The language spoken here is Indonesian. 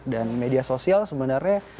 dan media sosial sebenarnya